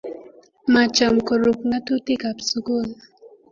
macham korub ng'atutikab sukul